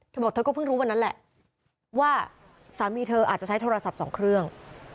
เธอบอกเธอก็เพิ่งรู้วันนั้นแหละว่าสามีเธออาจจะใช้โทรศัพท์สองเครื่อง